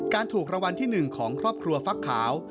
การถูกรางวัลที่หนึ่งของครอบครัวฟักขาว